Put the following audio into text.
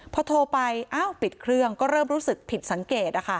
พอโทรไปปิดเครื่องก็เริ่มรู้สึกผิดสังเกต